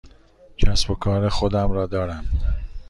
کسب و کار خودم را دارم.